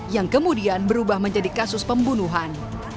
yang kemudian berubah menjadi kasus pembunuhan